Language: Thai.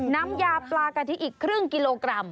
น้ำยาปลากะทิอีกครึ่งกิโลกรัม